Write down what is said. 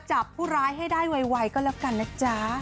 จับผู้ร้ายให้ได้ไวก็แล้วกันนะจ๊ะ